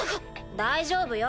大丈夫よ。